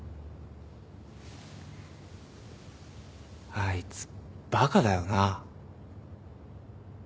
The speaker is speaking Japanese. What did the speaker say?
あいつバカだよな。